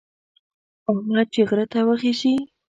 احمد چې غره ته وخېژي،